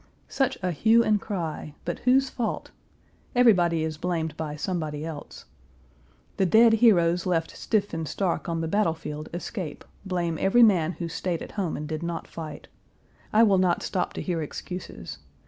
Such a hue and cry, but whose fault? Everybody is blamed by somebody else. The dead heroes left stiff and stark on the battle field escape, blame every man who stayed at home and did not fight. I will not stop to hear excuses.